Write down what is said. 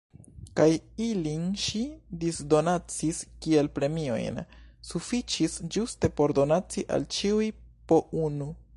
Kaj ilin ŝi disdonacis kiel premiojn. Sufiĉis ĝuste por donaci al ĉiuj po unu.